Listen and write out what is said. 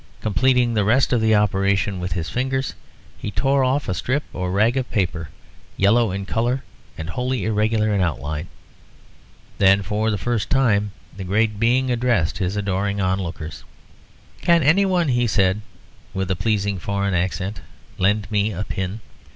Completing the rest of the operation with his fingers, he tore off a strip or rag of paper, yellow in colour and wholly irregular in outline. Then for the first time the great being addressed his adoring onlookers "Can any one," he said, with a pleasing foreign accent, "lend me a pin?"